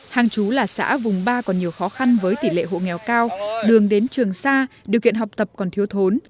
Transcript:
hàng chú là xã vùng ba còn nhiều khó khăn với tỷ lệ hộ nghèo cao đường đến trường xa điều kiện học tập còn thiếu thốn